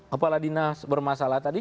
kepala dinas bermasalah tadi